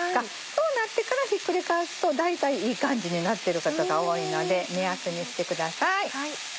そうなってからひっくり返すと大体いい感じになってることが多いので目安にしてください。